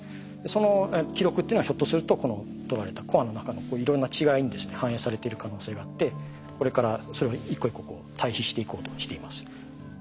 その記録っていうのはひょっとするとこの取られたコアの中のいろんな違いにですね反映されている可能性があってこれからそれを一個一個対比していこうとしています。